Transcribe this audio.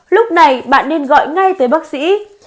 lúc này bạn nên gọi ngay tới bác sĩ